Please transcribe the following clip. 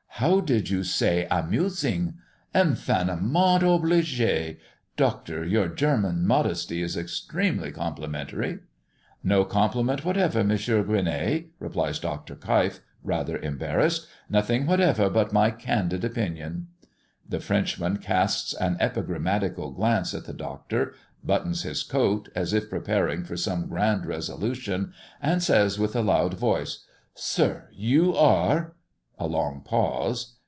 "How did you say a mu sing? Infiniment obligé, Doctor, your German modesty is extremely complimentary." "No compliment whatever, M. Gueronnay," replies Dr. Keif, rather embarrassed; "nothing whatever but my candid opinion." The Frenchman casts an epigrammatical glance at the Doctor, buttons his coat, as if preparing for some grand resolution, and says with a loud voice "Sir, you are" a long pause.